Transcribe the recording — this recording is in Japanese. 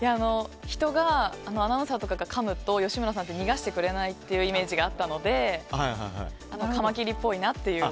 人、アナウンサーとかがかむと吉村さんって逃がしてくれないっていうイメージがあったのでカマキリっぽいなっていう。